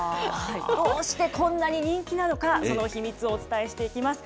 どうしてこんなに人気なのか、その秘密をお伝えしていきます。